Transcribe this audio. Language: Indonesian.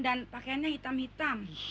dan pakaiannya hitam hitam